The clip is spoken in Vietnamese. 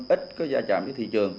ít có gia trạm với thị trường